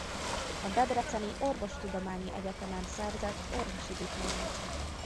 A Debreceni Orvostudományi Egyetemen szerzett orvosi diplomát.